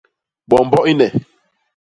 Bombo i nne.